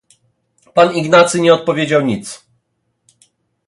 "Pan Ignacy nie odpowiedział nic."